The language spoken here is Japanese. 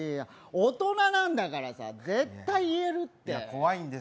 大人なんだからさ、絶対言えるって。